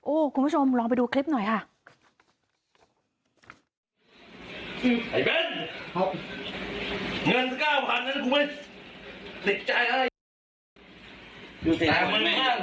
คุณผู้ชมลองไปดูคลิปหน่อยค่ะ